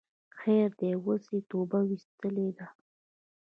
خیر ده اوس یی توبه ویستلی ده